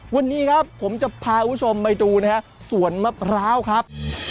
วันนี้ครับผมจะพาคุณผู้ชมไปดูนะฮะสวนมะพร้าวครับ